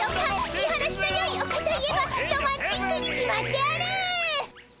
見晴らしのよいおかといえばロマンチックに決まっておる！